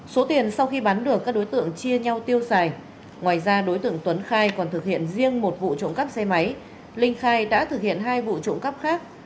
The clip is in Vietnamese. số tiền sau khi bán được các đối tượng chia nhau tiêu xài ngoài ra đối tượng tuấn khai còn thực hiện riêng một vụ trộm cắp xe máy linh khai đã thực hiện hai vụ trộm cắp khác